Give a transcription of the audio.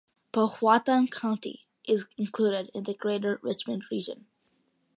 Powhatan County is included in the Greater Richmond Region.